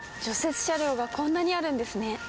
雪車両がこんなにあるんですね。